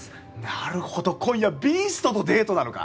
なるほど今夜ビーストとデートなのか！